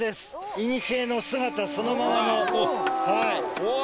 いにしえの姿そのままのうわうわ